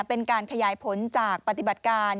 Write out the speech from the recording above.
เป็นการขยายผลจากปฏิบัติการ